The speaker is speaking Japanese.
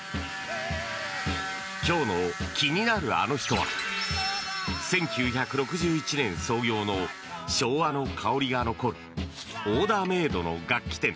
今日の気になるアノ人は１９６１年創業の昭和の香りが残るオーダーメードの楽器店。